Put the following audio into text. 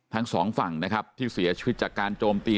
ทั้งสองฝั่งนะครับที่เสียชีวิตจากการโจมตี